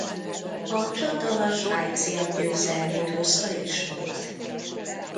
A csata a svájciak győzelmét hozta ismét.